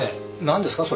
何ですか？